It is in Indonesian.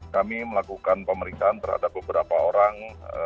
kami melakukan pemeriksaan terhadap beberapa orang